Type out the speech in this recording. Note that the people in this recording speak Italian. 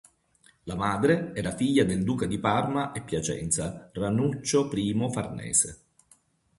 La madre era figlia del duca di Parma e Piacenza Ranuccio I Farnese.